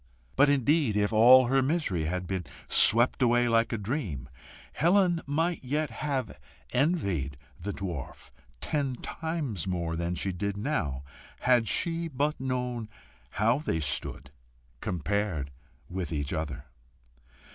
But, indeed, if all her misery had been swept away like a dream, Helen might yet have envied the dwarf ten times more than she did now, had she but known how they stood compared with each other.